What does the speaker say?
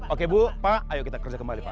oke bu pak ayo kita kerja kembali pak